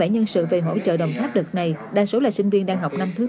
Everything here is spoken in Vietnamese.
trong số bốn mươi bảy nhân sự về hỗ trợ đồng tháp đợt này đa số là sinh viên đang học năm thứ bốn